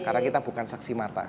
karena kita bukan saksi mata